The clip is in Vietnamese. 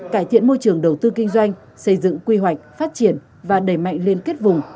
cải thiện môi trường đầu tư kinh doanh xây dựng quy hoạch phát triển và đẩy mạnh liên kết vùng